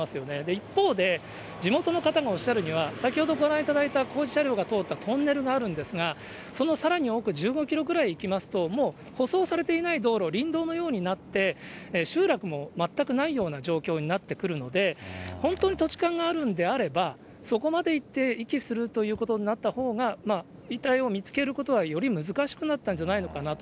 一方で、地元の方がおっしゃるには、先ほどご覧いただいた工事車両が通ったトンネルがあるんですが、そのさらに奥、１５キロぐらい行きますと、もう舗装されていない道路、林道のようになって、集落も全くないような状況になってくるので、本当に土地勘があるんであれば、そこまで行って遺棄するということになったほうが、遺体を見つけることは、より難しくなったんじゃないのかなと。